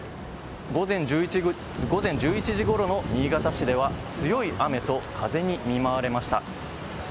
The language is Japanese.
午前１１時ごろの新潟市では強い雨と風に見舞われました。